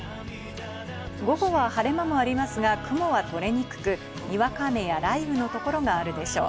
午後は晴れ間もありますが、雲が取れにくく、にわか雨や雷雨のところがあるでしょう。